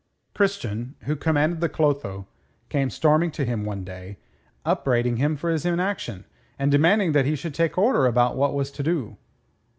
Christian, who commanded the Clotho, came storming to him one day, upbraiding him for his inaction, and demanding that he should take order about what was to do.